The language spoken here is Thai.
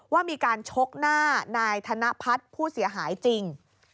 ว่ามีการชกหน้านายธนพัฒน์ผู้เสียหายจริง